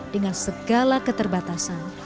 dengan segala keterbatasan